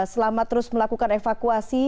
selamat terus melakukan evakuasi